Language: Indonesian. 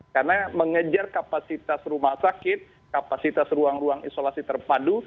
karena mengejar kapasitas rumah sakit kapasitas ruang ruang isolasi terpadu